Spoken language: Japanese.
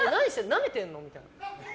なめてんの？みたいな。